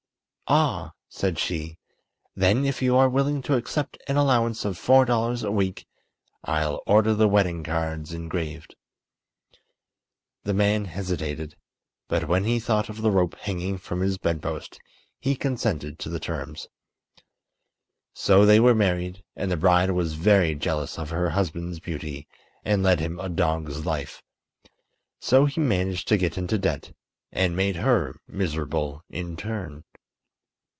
"Ah!" said she; "then if you are willing to accept an allowance of four dollars a week I'll order the wedding cards engraved." The man hesitated, but when he thought of the rope hanging from his bedpost he consented to the terms. So they were married, and the bride was very jealous of her husband's beauty and led him a dog's life. So he managed to get into debt and made her miserable in turn.